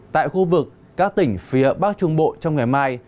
tại khu vực các tỉnh phía bắc trung bộ trong ngày mai